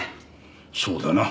そうだな。